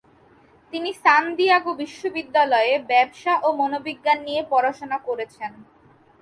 তিনি San Diego বিশ্ববিদ্যালয়ে ব্যবসা ও মনোবিজ্ঞান নিয়ে পড়াশোনা করেছেন।